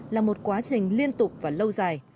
là một quá trình liên tục và lâu dài